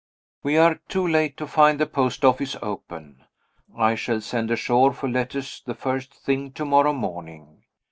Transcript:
We are too late to find the post office open. I shall send ashore for letters the first thing tomorrow morning.